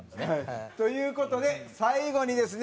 という事で最後にですね